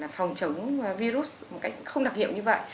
phòng chống virus một cách không đặc hiệu như vậy